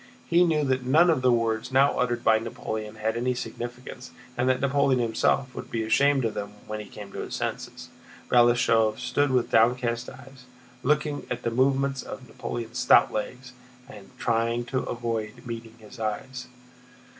He knew that none of the words now uttered by Napoleon had any significance, and that Napoleon himself would be ashamed of them when he came to his senses. Balashëv stood with downcast eyes, looking at the movements of Napoleon's stout legs and trying to avoid meeting his eyes.